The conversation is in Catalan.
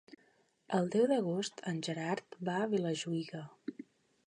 El deu d'agost en Gerard va a Vilajuïga.